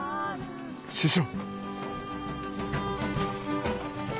師匠。